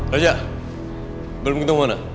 raja belum ketemu mona